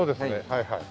はいはい。